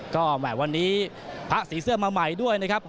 ก็แหม่วันนี้พระสีเสื้อมาใหม่ด้วยนะครับ